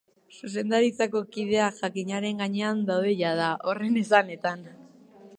Zuzendaritzako kideak jakinaren gainean daude jada, horren esanetan.